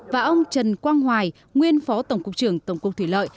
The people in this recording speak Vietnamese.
và ông trần quang hoài nguyên phó tổng cục trưởng tổng cục thủy lợi